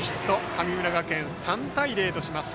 神村学園、３対０とします。